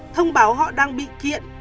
thông báo họ đang bị kiện